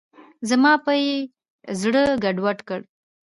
زما به یې زړه ګډوډ کړ.